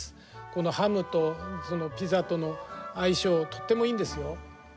このハムとピザとの相性とってもいいんですよ。